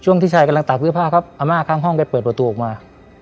ที่ชายกำลังตากเสื้อผ้าครับอาม่าข้างห้องแกเปิดประตูออกมา